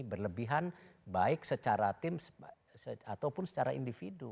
berlebihan baik secara tim ataupun secara individu